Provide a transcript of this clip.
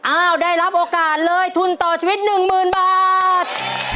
อ้าวได้รับโอกาสเลยทุนต่อชีวิต๑๐๐๐บาท